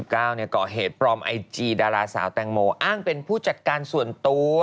ก่อเหตุปลอมไอจีดาราสาวแตงโมอ้างเป็นผู้จัดการส่วนตัว